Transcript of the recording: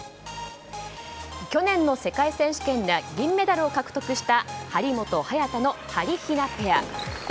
去年の世界選手権で銀メダルを獲得した張本、早田のはりひなペア。